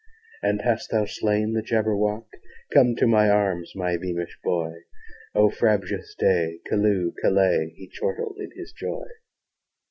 "And hast thou slain the Jabberwock? Come to my arms, my beamish boy! O frabjous day! Callooh! Callay!" He chortled in his joy.